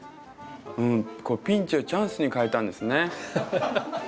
うんこうピンチをチャンスに変えたんですね。